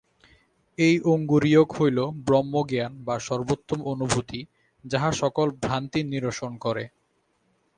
এই অঙ্গুরীয়ক হইল ব্রহ্মজ্ঞান বা সর্বোত্তম অনুভূতি, যাহা সকল ভ্রান্তি নিরসন করে।